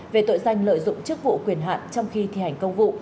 về tội danh lợi dụng chức vụ quyền hạn trong khi thi hành công vụ